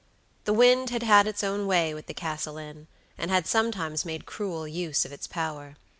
The wind had had its own way with the Castle Inn, and had sometimes made cruel use of its power.